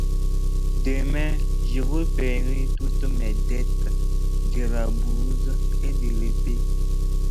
Demain je vous paierai toutes mes dettes, de la bourse et de l’épée.